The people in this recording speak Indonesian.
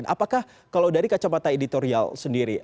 apakah kalau dari kacamata editorial sendiri